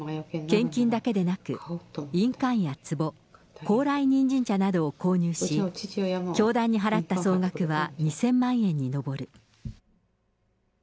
献金だけでなく、印鑑やつぼ、高麗人参茶などを購入し、教団に払った総額は２０００万円に上る。